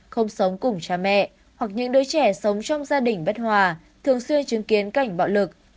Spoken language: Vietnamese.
không sống cùng cha mẹ hoặc những đứa trẻ sống trong gia đình bất hòa thường xuyên chứng kiến cảnh bạo lực